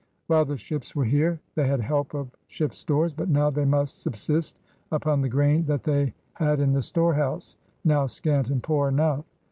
While the ships were here they had help of ship stores, but now they must subsist upon the grain that they had in the storehouse, now scant and poor enough.